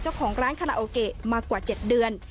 เจ้าของร้านคาราโอเกะมากว่า๗เดือน